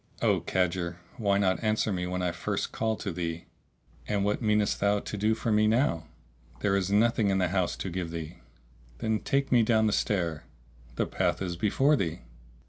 "O cadger, why not answer me when I first called to thee?" "And what meanest thou to do for me now?" "There is nothing in the house to give thee." "Then take me down the stair." "The path is before thee."